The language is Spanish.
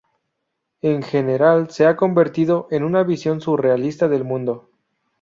En general, se ha convertido en una visión surrealista del mundo.